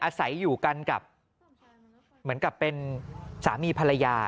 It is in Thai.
อาศัยอยู่กันกับเหมือนกับเป็นสามีภรรยา